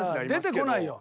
出てこないよ。